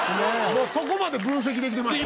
もうそこまで分析できてました？